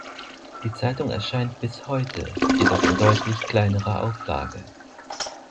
Die Zeitung erscheint bis heute, jedoch in deutlich kleinerer Auflage.